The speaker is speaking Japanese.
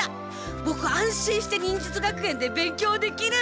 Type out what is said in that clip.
ボク安心して忍術学園で勉強できる！